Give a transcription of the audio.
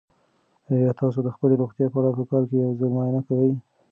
آیا تاسو د خپلې روغتیا په اړه په کال کې یو ځل معاینه کوئ؟